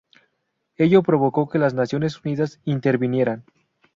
Ello provocó que las Naciones Unidas intervinieran.